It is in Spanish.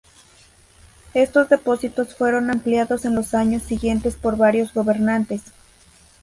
Estos depósitos fueron ampliados en los años siguientes por varios gobernantes.